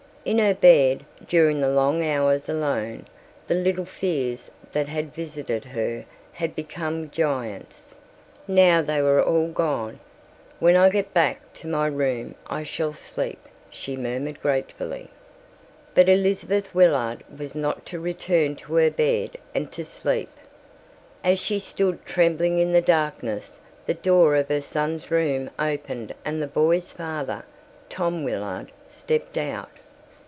In her bed, during the long hours alone, the little fears that had visited her had become giants. Now they were all gone. "When I get back to my room I shall sleep," she murmured gratefully. But Elizabeth Willard was not to return to her bed and to sleep. As she stood trembling in the darkness the door of her son's room opened and the boy's father, Tom Willard, stepped out.